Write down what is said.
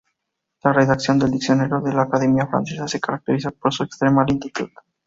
La redacción del Diccionario de la Academia Francesa se caracteriza por su extrema lentitud.